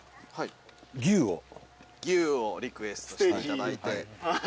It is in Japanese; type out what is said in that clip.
牛をリクエストしていただいて。